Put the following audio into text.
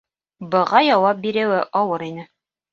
Быға яуап биреүе ауыр ине.